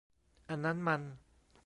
อันนั้นมัน